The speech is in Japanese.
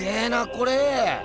これ。